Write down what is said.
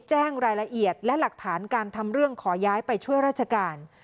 แจ้งรายละเอียดและหลักฐานการทำเรื่องขอย้ายไปช่วยราชการ